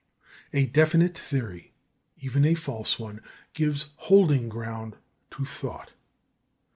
" A definite theory (even if a false one) gives holding ground to thought.